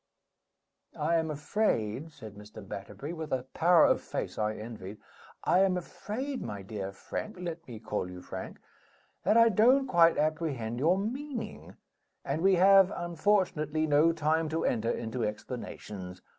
"I am afraid," said Mr. Batterbury, with a power of face I envied; "I am afraid, my dear Frank (let me call you Frank), that I don't quite apprehend your meaning: and we have unfortunately no time to enter into explanations.